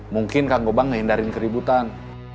mungkin kang gobang ngehindarin keributan